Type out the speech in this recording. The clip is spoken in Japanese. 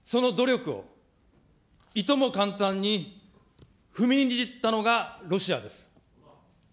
その努力をいとも簡単に踏みにじったのがロシアです。